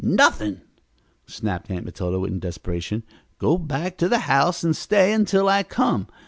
"Nothing!" snapped Aunt Matilda in desperation. "Go back to the house and stay until I come.